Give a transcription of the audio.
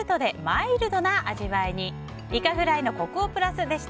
イカフライのコクをプラスでした。